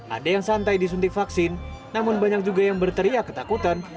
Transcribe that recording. ada yang santai disuntik vaksin namun banyak juga yang berteriak ketakutan